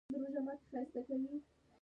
هلک د اوبو ګیلاس وڅښله.